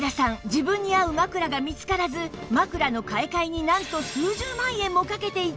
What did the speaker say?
自分に合う枕が見つからず枕の買い替えになんと数十万円もかけていたとか！